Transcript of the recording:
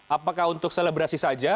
apakah untuk selebrasi saja